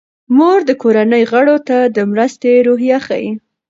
مور د کورنۍ غړو ته د مرستې روحیه ښيي.